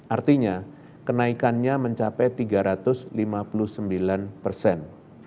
artinya kenaikannya mencapai tiga ratus lima puluh sembilan persen